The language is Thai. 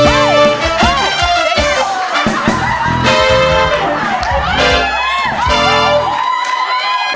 เฮ้ย